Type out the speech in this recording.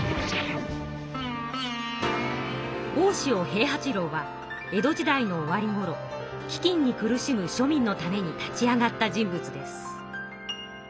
大塩平八郎は江戸時代の終わりごろ飢饉に苦しむ庶民のために立ち上がった人物です。